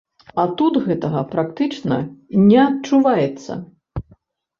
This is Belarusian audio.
А тут гэтага практычна не адчуваецца.